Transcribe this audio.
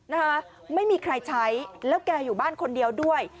นะคะไม่มีใครใช้แล้วแกอยู่บ้านคนเดียวด้วย